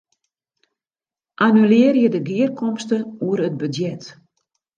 Annulearje de gearkomste oer it budzjet.